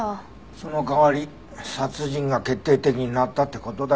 その代わり殺人が決定的になったって事だけどね。